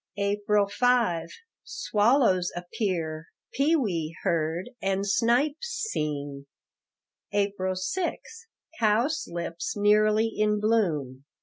April 5 Swallows appear, pewee heard, and snipe seen. April 6 Cowslips nearly in bloom.